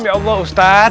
ya allah ustadz